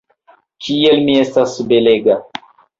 Kiel mi estas belega!